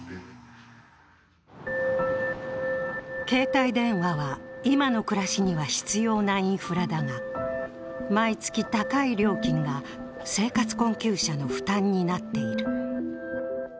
携帯電話は、今の暮らしには必要なインフラだが、毎月、高い料金が生活困窮者の負担になっている。